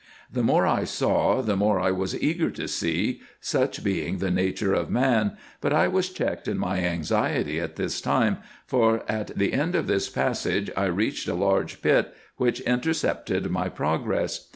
The more I saw, the more I was eager to see, such being the nature of man : but I was checked in my anxiety at this time, for at the end of this passage I reached a large pit, which intercepted my progress.